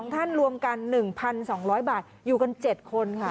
ท่านรวมกัน๑๒๐๐บาทอยู่กัน๗คนค่ะ